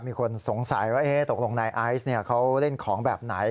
มีคนสงสัยว่าตกลงนายไอซ์เขาเล่นของแบบไหน